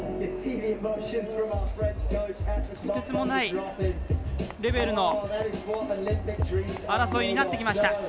とてつもないレベルの争いになってきました。